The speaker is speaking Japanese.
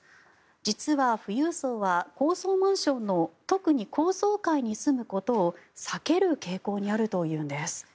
実は富裕層は高層マンションの特に高層階に住むことを避ける傾向にあるというんです。